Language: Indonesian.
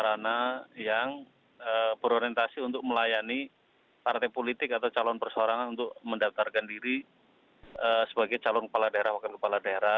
sarana yang berorientasi untuk melayani partai politik atau calon persoarangan untuk mendaftarkan diri sebagai calon kepala daerah wakil kepala daerah